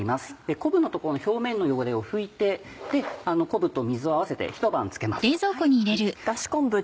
昆布の表面の汚れを拭いて昆布と水を合わせてひと晩漬けます。